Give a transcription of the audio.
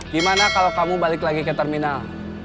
gimana kalau kamu balik lagi ke terminal